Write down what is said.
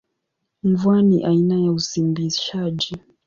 Mvua ni aina ya usimbishaji.